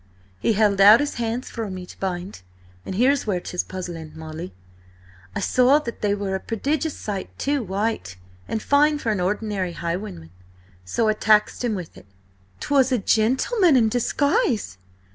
He held out his hands for me to bind–and here's where 'tis puzzling, Molly–I saw that they were a prodigious sight too white and fine for an ordinary highwayman. So I taxed him with it—" "'Twas a gentleman in disguise!